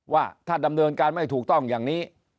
ว่าถ้าดำเนินการไม่ถูกต้องอย่างนี้